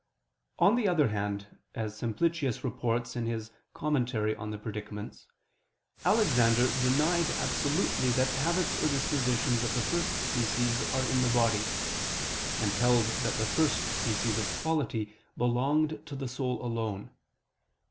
On the other hand, as Simplicius reports in his Commentary on the Predicaments, Alexander denied absolutely that habits or dispositions of the first species are in the body: and held that the first species of quality belonged to the soul alone.